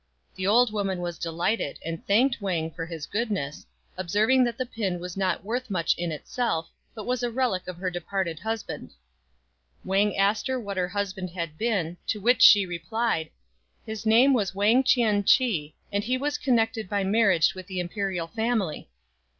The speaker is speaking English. The old woman was delighted, and thanked Wang very much for his goodness, observing that the pin was not worth much in itself, but was a relic of her departed husband. Wang asked what her husband had been ; to which she replied, " his name was Wang Chien chih, and he was connected by marriage with the Imperial family."